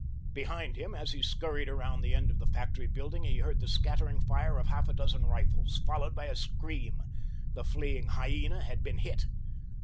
Behind him, as he scurried around the end of the factory building, he heard the scattering fire of half a dozen rifles, followed by a scream—the fleeing hyena had been hit.